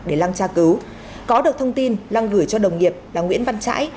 để lăng tra cứu có được thông tin lăng gửi cho đồng nghiệp là nguyễn văn trãi